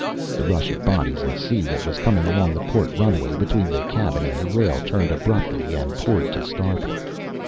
The rush of bodies and sea that was coming along the port runway between the cabin and the rail turned abruptly and poured to starboard.